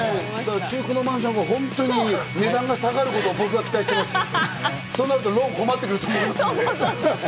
中古マンションの値段が下がることを僕は期待してます、そうなるとローンが困ってくると思うので。